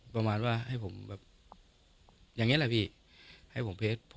ประมาณว่าให้ผมแบบ